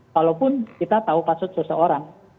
walaupun kita tahu password seseorang